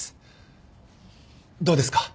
どうですか？